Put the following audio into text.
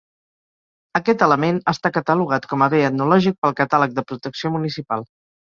Aquest element està catalogat com a bé etnològic pel catàleg de protecció municipal.